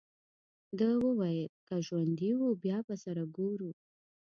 ده وویل: که ژوندي وو، بیا به سره ګورو.